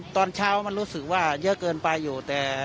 ตอนเช้ามันรู้สึกว่าเยอะเกินไปอยู่แต่